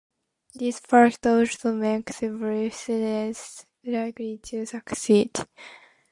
This fact also makes bluffs less likely to succeed.